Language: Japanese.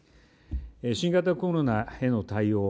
新型コロナへの対応